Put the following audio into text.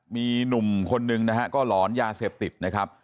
มีหนุ่มคนนึงนะฮะก็หลอนยาเสพติดนะครับ